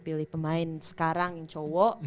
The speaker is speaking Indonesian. pilih pemain sekarang yang cowok